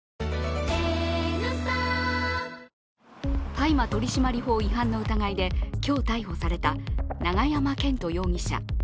大麻取締法違反の疑いで今日逮捕された永山絢斗容疑者。